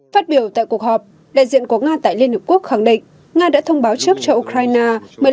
phát biểu tại cuộc họp đại diện của nga tại liên hợp quốc khẳng định nga đã thông báo trước cho ukraine